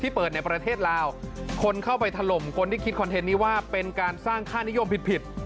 เปิดในประเทศลาวคนเข้าไปถล่มคนที่คิดคอนเทนต์นี้ว่าเป็นการสร้างค่านิยมผิด